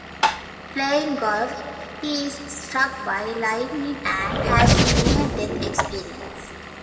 Playing golf, he is struck by lightning and has a near-death experience.